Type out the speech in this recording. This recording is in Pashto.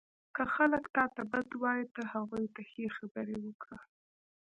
• که خلک تا ته بد وایي، ته هغوی ته ښې خبرې وکړه.